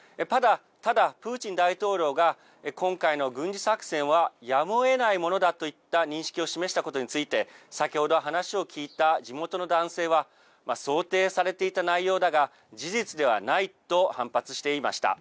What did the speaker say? ただプーチン大統領が今回の軍事作戦はやむをえないものだといった認識を示したことについて先ほど話を聞いた地元の男性は想定されていた内容だが事実ではないと反発していました。